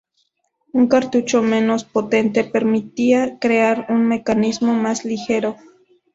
Un cartucho menos potente permitía crear un mecanismo más ligero.